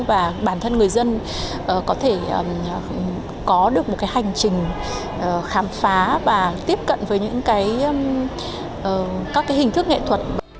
và bản thân người dân có thể có được một cái hành trình khám phá và tiếp cận với những cái hình thức nghệ thuật